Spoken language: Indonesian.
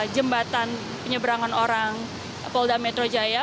jembatan penyeberangan orang polda metro jaya